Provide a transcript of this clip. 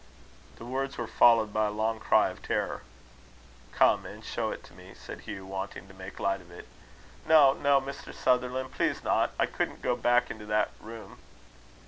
The words were followed by a long cry of terror. "Come and show it to me," said Hugh, wanting to make light of it. "No, no, Mr. Sutherland please not. I couldn't go back into that room."